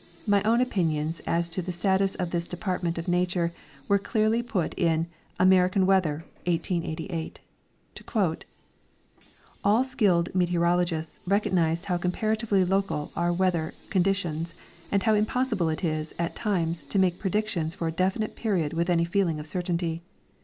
My OAvn opinions as to the status of this department of nature were clearly put in " American Weather," 1888. To quote : "All skilled meteorologists realize how comparatively local are weather conditions and how impossible it is, at times, to make predictions for a definite period with any feeling of certainty.